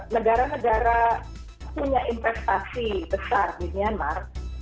negara negara punya investasi besar di myanmar